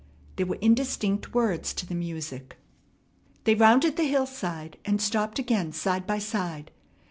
There were indistinct words to the music. They rounded the hillside, and stopped again side by side.